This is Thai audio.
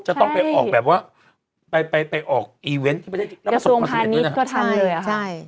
จะต้องไปออกแบบว่าไปออกอีเว้นที่ประเทศจริงแล้วก็ส่งประสิทธิ์ด้วยนะกระทรวงพาณิชย์ก็ทำเลยอะครับ